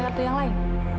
ada yang lain